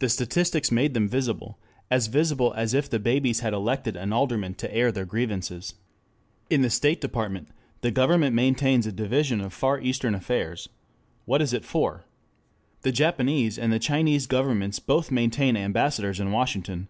The statistics made them visible, as visible as if the babies had elected an alderman to air their grievances. In the State Department the government maintains a Division of Far Eastern Affairs. What is it for? The Japanese and the Chinese Governments both maintain ambassadors in Washington.